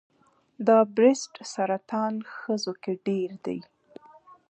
د بریسټ سرطان ښځو کې ډېر دی.